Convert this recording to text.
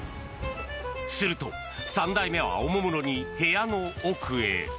すると３代目は、おもむろに部屋の奥へ。